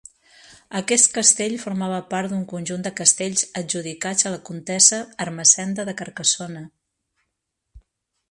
Aquest castell formava part d'un conjunt de castells adjudicats a la comtessa Ermessenda de Carcassona.